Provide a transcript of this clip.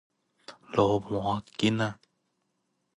鱸鰻根仔